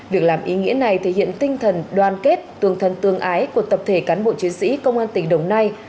việc làm ý nghĩa này thể hiện tinh thần đoàn kết tương thân tương ái của tập thể cán bộ chiến sĩ công an tỉnh đồng nai